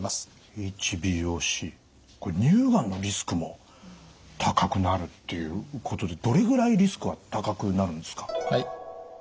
これ乳がんのリスクも高くなるっていうことでどれぐらいリスクは高くなるんですか？